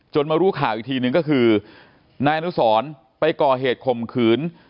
มารู้ข่าวอีกทีนึงก็คือนายอนุสรไปก่อเหตุข่มขืน